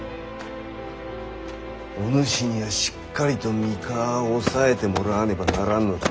お主にはしっかりと三河を押さえてもらわねばならんのだ。